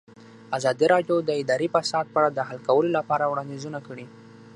ازادي راډیو د اداري فساد په اړه د حل کولو لپاره وړاندیزونه کړي.